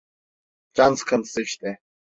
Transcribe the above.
Can sıkıntısı işte…